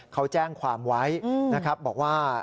เขาแจ้งความไว้บอกว่า